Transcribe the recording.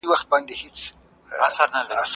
هیلې خپل ټټر ته د کتاب په ایښودلو ارامه شوه.